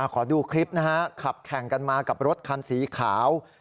ขอดูคลิปนะฮะขับแข่งกันมากับรถคันสีขาว